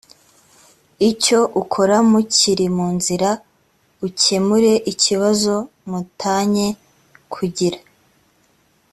icyo ukora mukiri mu nzira ukemure ikibazo mu tanye kugira